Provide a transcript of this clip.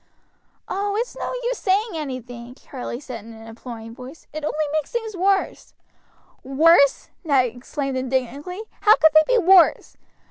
"Oh! it's no use saying anything," Charlie said in an imploring voice, "it only makes things worse." "Worse!" Ned exclaimed indignantly; "how could they be worse?